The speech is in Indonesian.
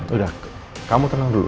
udah kamu tenang dulu